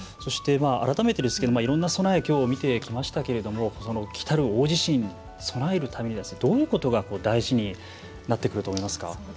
いろんな備えを今日、見てきましたが来たる大地震に備えるためにどういうことが大事になってくると思いますか？